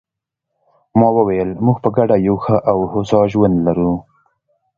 ما وویل: موږ په ګډه یو ښه او هوسا ژوند لرو.